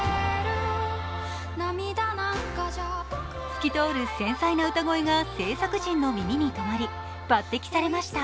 透き通る繊細な歌声が制作陣の耳に止まり抜てきされました。